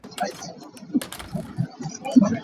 Lam a nal hih i ralring, na tlu sual lai.